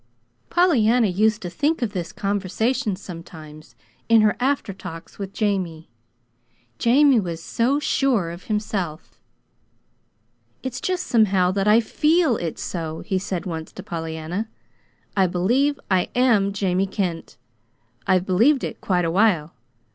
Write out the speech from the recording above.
Pollyanna used to think of this conversation sometimes, in her after talks with Jamie. Jamie was so sure of himself. "It's just somehow that I FEEL it's so," he said once to Pollyanna. "I believe I am Jamie Kent. I've believed it quite a while.